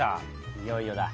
いよいよだ。